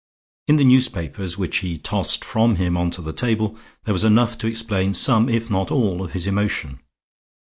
In the newspapers which he tossed from him on to the table there was enough to explain some if not all of his emotion.